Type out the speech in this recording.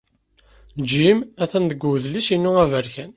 Jim atan deg wedlis-inu aberkan.